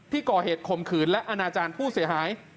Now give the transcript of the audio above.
ก่อเหตุข่มขืนและอนาจารย์ผู้เสียหาย